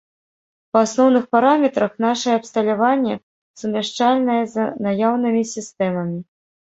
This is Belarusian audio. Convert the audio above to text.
Па асноўных параметрах нашае абсталяванне сумяшчальнае з наяўнымі сістэмамі.